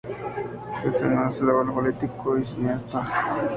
Es además, abuelo del político y cineasta chileno Marco Enríquez-Ominami.